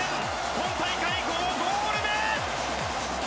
今大会５ゴール目！